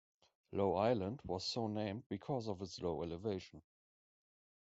Low Island was so named because of its low elevation.